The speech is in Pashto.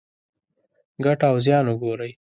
ګټه او زیان وګورئ.